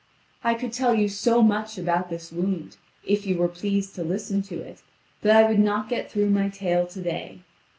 I could tell you so much about this wound, if you were pleased to listen to it, that I would not get through my tale to day.